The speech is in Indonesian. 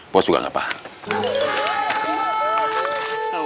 bos juga nggak paham